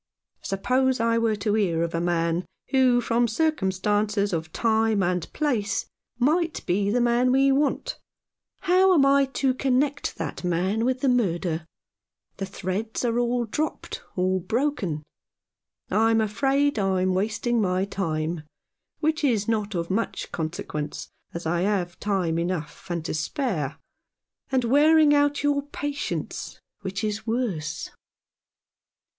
Suppose I were to hear of a man, who, from circumstances of time and place, might be the man we want, 197 Rough Justice. how am I to connect that man with the murder? The threads are all dropped or broken. I'm afraid I'm wasting my time, which is not of much consequence, as I have time enough and to spare, and wearing out your patience, which is worse."